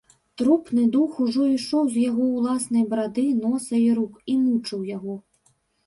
Трупны дух ужо ішоў з яго ўласнай барады, носа і рук і мучыў яго.